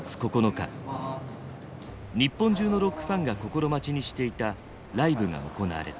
日本中のロックファンが心待ちにしていたライブが行われた。